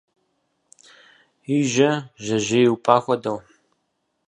И жьэ жьэжьей упӏа хуэдэ.